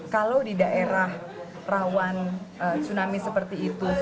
kalau di daerah rawan tsunami seperti itu